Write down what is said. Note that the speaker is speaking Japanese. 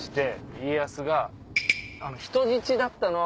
家康が人質だったのは。